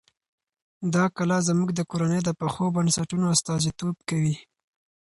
دا کلا زموږ د کورنۍ د پخو بنسټونو استازیتوب کوي.